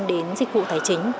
đến dịch vụ tài chính